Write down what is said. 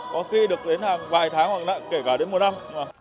có khi được đến vài tháng hoặc kể cả đến một năm